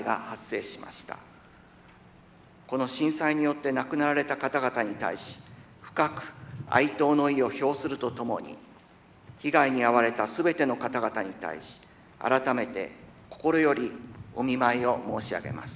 この震災によって亡くなられた方々に対し深く哀悼の意を表するとともに被害に遭われた全ての方々に対し改めて心よりお見舞いを申し上げます。